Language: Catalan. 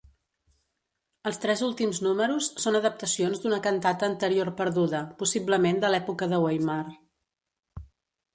Els tres últims números són adaptacions d'una cantata anterior perduda, possiblement de l'època de Weimar.